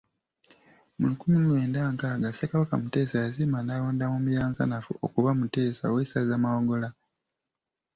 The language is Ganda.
Mu lukumi mu lwenda nkaaga, Ssekabaka Muteesa yasiima n’alonda Mumiransanafu okuba Muteesa, ow’essaza Mawogola.